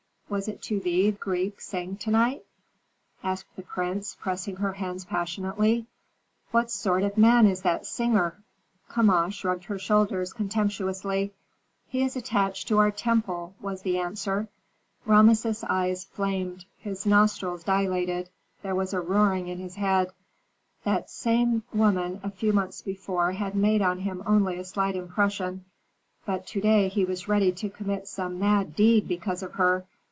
Was it to thee that that Greek sang to night?" asked the prince, pressing her hands passionately. "What sort of man is that singer?" Kama shrugged her shoulders contemptuously. "He is attached to our temple," was the answer. Rameses' eyes flamed, his nostrils dilated, there was a roaring in his head. That same woman a few months before had made on him only a slight impression; but to day he was ready to commit some mad deed because of her.